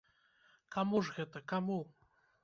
Каму ж гэта, каму?